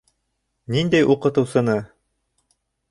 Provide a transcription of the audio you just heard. Ниндәй уҡытыусыны?